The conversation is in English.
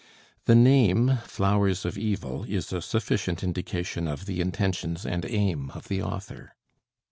The name 'Flowers of Evil' is a sufficient indication of the intentions and aim of the author.